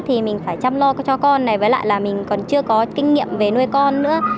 thì mình phải chăm lo cho con này với lại là mình còn chưa có kinh nghiệm về nuôi con nữa